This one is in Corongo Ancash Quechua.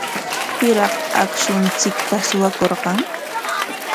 ¿Piraq akshunchikta suwakurqan?